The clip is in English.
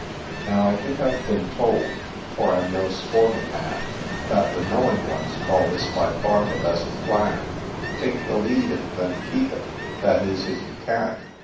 — Now I think I've been told, — for I'm no sporting man, — That the ' knowing ones ' call this by far the best plan, ' Take the lead and then keep it !'— that is, if you can.